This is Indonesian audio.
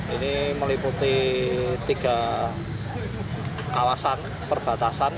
ini meliputi tiga kawasan perbatasan